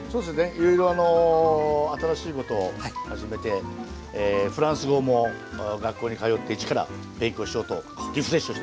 いろいろあの新しいことを始めてフランス語も学校に通って一から勉強しようとリフレッシュをしております。